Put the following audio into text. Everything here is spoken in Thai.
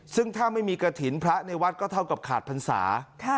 ซึ่งถ้าไม่มีกระถิ่นพระในวัดก็เท่ากับขาดพรรษา